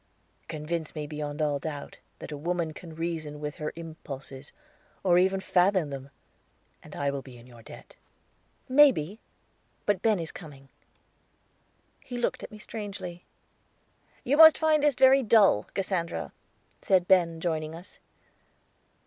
"Convince me beyond all doubt that a woman can reason with her impulses, or even fathom them, and I will be in your debt." "Maybe but Ben is coming." He looked at me strangely. "You must find this very dull, Cassandra," said Ben, joining us.